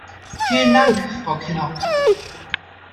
Vielen Dank, Frau Kinnock.